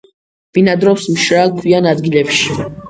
ბინადრობს მშრალ, ქვიან ადგილებში.